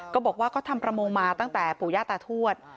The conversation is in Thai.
ก็บอกว่าก็ทำประมงมาตั้งแต่ปู่หญ้าตาทวช